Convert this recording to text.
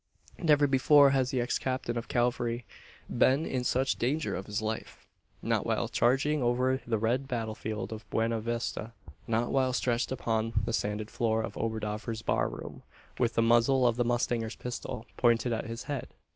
Never before has the ex captain of cavalry been in such danger of his life; not while charging over the red battle field of Buena Vista; not while stretched upon the sanded floor of Oberdoffer's bar room, with the muzzle of the mustanger's pistol pointed at his head!